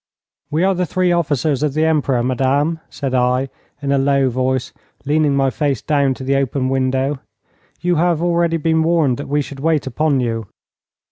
'We are the three officers of the Emperor, madame,' said I, in a low voice, leaning my face down to the open window. 'You have already been warned that we should wait upon you.'